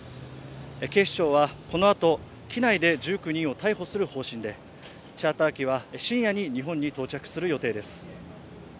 警視庁はこのあと、機内で１９人を逮捕する方針でチャーター機は深夜に日本に到着する予定です。